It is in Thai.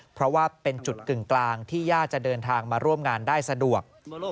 เพราะว่าเป็นจุดกึ่งกลางที่ย่าจะเดินทางมาร่วมงานได้สะดวก